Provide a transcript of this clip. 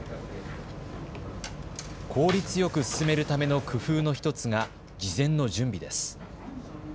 効率よく進めるための工夫の１つが、事前の準備です。